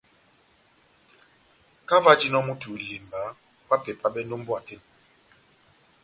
Kahá ová ojinɔ moto wa ilemba, ohápepabɛndi ó mbówa tɛ́h eni.